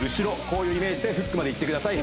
こういうイメージでフックまでいってください